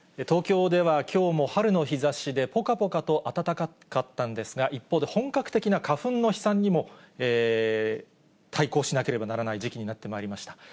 東京ではきょうも春の日ざしで、ぽかぽかと暖かかったんですが、一方で、本格的な花粉の飛散にも対抗しなければならない時期になってまいりました。